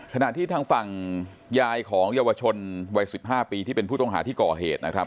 ขณะที่ทางฝั่งยายของเยาวชนวัย๑๕ปีที่เป็นผู้ต้องหาที่ก่อเหตุนะครับ